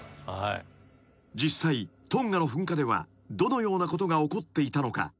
［実際トンガの噴火ではどのようなことが起こっていたのか？］